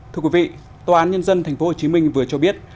thưa quý vị tòa án nhân dân tp hcm vừa cho biết